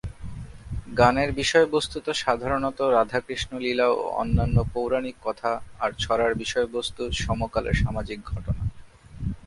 গানের বিষয়বস্ত্ত সাধারণত রাধাকৃষ্ণলীলা ও অন্যান্য পৌরাণিক কথা, আর ছড়ার বিষয়বস্ত্ত সমকালের সামাজিক ঘটনা।